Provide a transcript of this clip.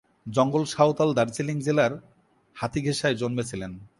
জঙ্গল সাঁওতাল দার্জিলিং জেলার হাতিঘেঁষায় জন্মেছিলেন।